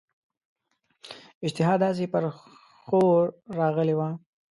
اشتها داسي پر ښور راغلې وه.